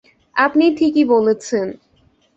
আপনি ঠিকই বলছেন।